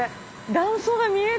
断層が見える。